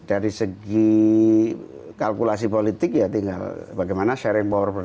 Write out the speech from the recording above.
dari segi kalkulasi politik ya tinggal bagaimana sharing power